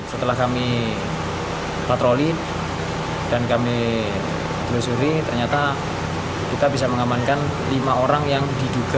setelah kami patroli dan kami telusuri ternyata kita bisa mengamankan lima orang yang diduga